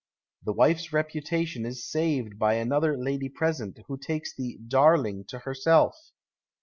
The wife's reputation is saved by another lady present, who takes the " darling !" to herself.